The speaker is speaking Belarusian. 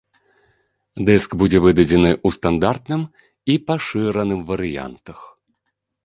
Дыск будзе выдадзены ў стандартным і пашыраным варыянтах.